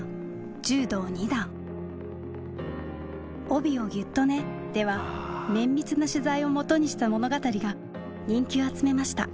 「帯をギュッとね！」では綿密な取材を基にした物語が人気を集めました。